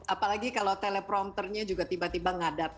apalagi kalau teleprompternya juga tiba tiba ngadap